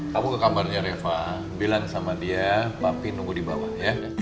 kamu ke kamarnya reva bilang sama dia tapi nunggu di bawah ya